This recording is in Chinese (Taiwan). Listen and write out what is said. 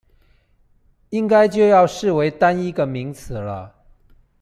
應該就要視為單一個名詞了